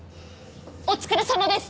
お疲れさまです！